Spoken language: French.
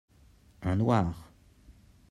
un noir.